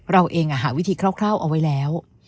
เราเองหาวิธีคร่าวเอาไว้แล้ว